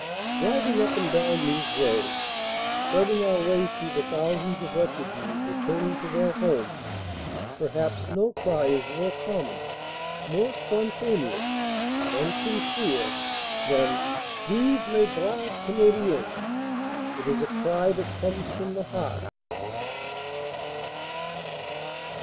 Driving up and down these roads, threading our way through the thousands of refugees returning to their homes, perhaps no cry is more common, more spontaneous and sin cere, than "Vive les braves Canadiens!" It is a cry that comes from the heart.